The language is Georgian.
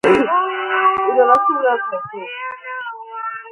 მათგან კონსერვებს ამზადებენ, დიდ ნაწილს კი შინაური ცხოველების გამოსაკვებად იყენებენ.